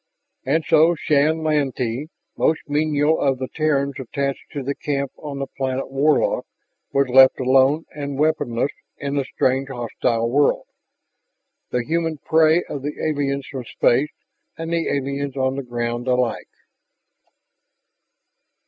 And so Shann Lantee, most menial of the Terrans attached to the camp on the planet Warlock, was left alone and weaponless in the strange, hostile world, the human prey of the aliens from space and the aliens on the ground alike.